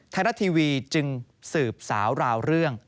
ไทยรัฐทีวีจึงสืบสาวราวเรื่อง